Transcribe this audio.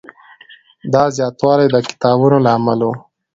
دا زیاتوالی د کتابونو له امله و.